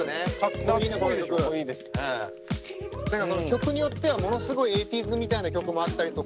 何かその曲によってはものすごいエイティーズみたいな曲もあったりとか